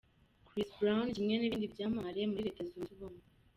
Chris Brown kimwe nibindi byamamare muri Leta Zunze Ubumwe.